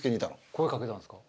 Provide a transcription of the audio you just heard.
声掛けたんすか？